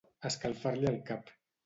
Escalfar-li el cap.